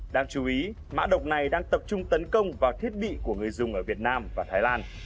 đáng chú ý mã độc này đang tập trung tấn công vào thiết bị của người dùng ở việt nam và thái lan